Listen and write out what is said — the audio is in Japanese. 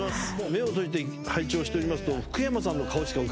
目を閉じて拝聴しておりますと。